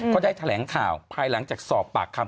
ก็ได้แถลงข่าวภายหลังจากสอบปากคำ